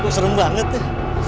aduh serem banget nih